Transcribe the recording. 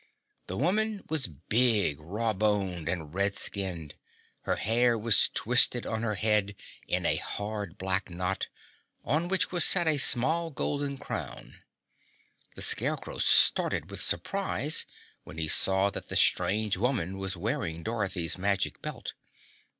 The woman was big, raw boned and red skinned. Her hair was twisted on her head in a hard black knot, on which was set a small golden crown. The Scarecrow started with surprise when he saw that the strange woman was wearing Dorothy's Magic Belt.